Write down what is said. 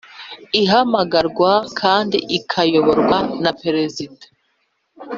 Ihamagarwa kandi ikayoborwa na perezida